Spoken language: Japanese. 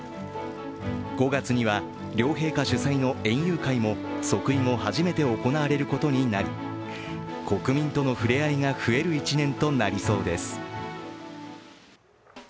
５月には両陛下主催の園遊会も即位後、初めて行われることになり、国民との触れ合いが増える１年となりそうです。